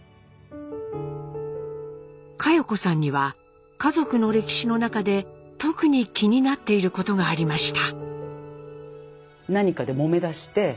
佳代子さんには家族の歴史の中で特に気になっていることがありました。